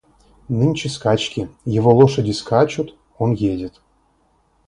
Нынче скачки, его лошади скачут, он едет.